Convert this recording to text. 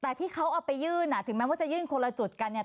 แต่ที่เขาเอาไปยื่นอ่ะถึงแม้ว่าจะยื่นคนละจุดกันเนี่ย